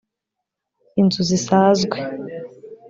inzu zisazwe